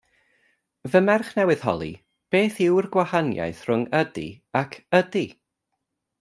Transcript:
Fy merch newydd holi, beth yw'r gwahaniaeth rhwng ydy ac ydi?